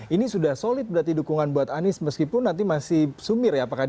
ini sudah solid berarti dukungan buat anies meskipun nanti masih sumir ya